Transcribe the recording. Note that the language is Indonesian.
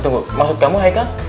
tunggu maksud kamu haikal